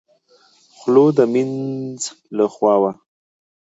خوله د مينځ له خوا وه.